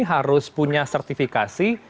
harus punya sertifikasi